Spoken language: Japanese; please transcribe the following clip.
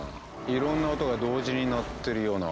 いろんな音が同時に鳴ってるような。